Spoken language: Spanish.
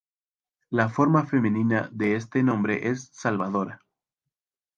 La forma femenina de este nombre es Salvadora.